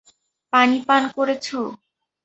পানি পান করেছ?